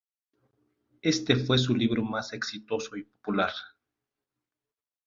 Éste fue su libro más exitoso y popular.